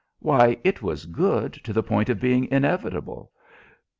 "Why, it was good to the point of being inevitable.